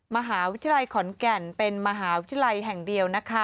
มหาวิทยาลัยขอนแก่นเป็นมหาวิทยาลัยแห่งเดียวนะคะ